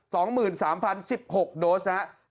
ตอนนี้๔๖๐๒๓๐๑๖โดสนะครับ